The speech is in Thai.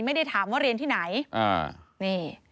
ไม่ได้ถามว่าเรียนที่ไหน